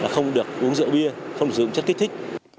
không được uống rượu bia không được dùng chất kích thích